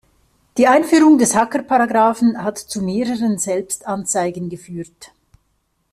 Die Einführung des Hackerparagraphen hat zu mehreren Selbstanzeigen geführt.